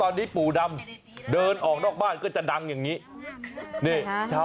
นี่เต่าดำ